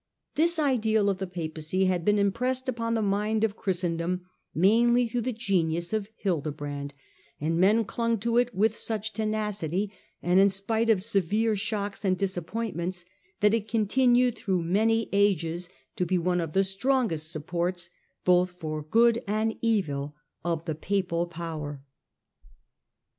This ideal of the Papacy had been impressed upon the mind of Christendom mainly through the genius of Hilde brand, and men clung to it with such tenacity, in spite of severe shocks and disappointments, that it continued through many ages to be one of the strongest supports, both for good and evil, of the papal power.